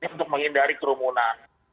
untuk menghindari kerumunan